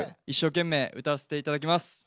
一生懸命歌わせていただきます。